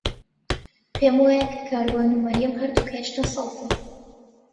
پێم وایە کە کاروان و مەریەم هەردووک هێشتا سەڵتن.